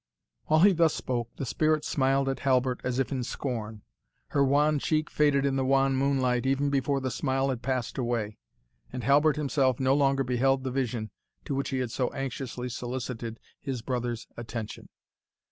While he thus spoke, the Spirit smiled at Halbert as if in scorn; her wan cheek faded in the wan moonlight even before the smile had passed away, and Halbert himself no longer beheld the vision to which he had so anxiously solicited his brother's attention.